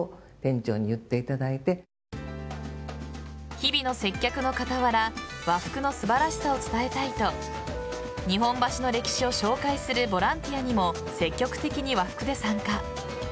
日々の接客の傍ら和服の素晴らしさを伝えたいと日本橋の歴史を紹介するボランティアにも積極的に和服で参加。